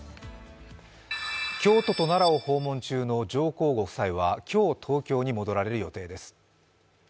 京都と奈良を訪問中の上皇ご夫妻は今日、東京に戻られる予定です。